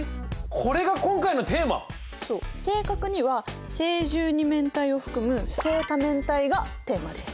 正確には正十二面体を含む正多面体がテーマです。